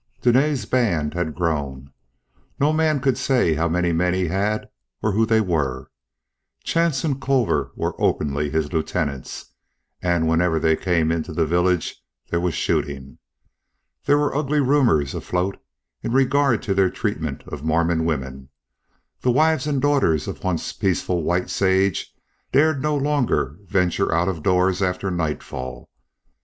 Dene's band had grown; no man could say how many men he had or who they were. Chance and Culver were openly his lieutenants, and whenever they came into the village there was shooting. There were ugly rumors afloat in regard to their treatment of Mormon women. The wives and daughters of once peaceful White Sage dared no longer venture out of doors after nightfall.